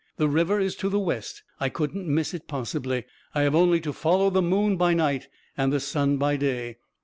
"The river is to the west — I couldn't miss it possibly — I have only to follow the moon by night and the sun by day.